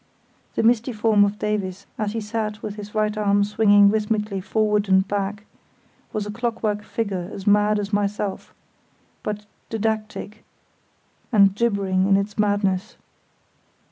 The misty form of Davies as he sat with his right arm swinging rhythmically forward and back, was a clockwork figure as mad as myself, but didactic and gibbering in his madness.